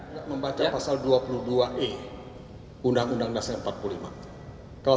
jadi kita harus menjaga kekuasaan